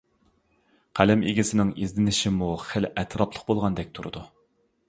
قەلەم ئىگىسىنىڭ ئىزدىنىشىمۇ خېلى ئەتراپلىق بولغاندەك تۇرىدۇ.